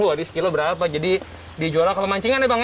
wah ini sekilo berapa jadi dijual ke pemancingan ya bang ya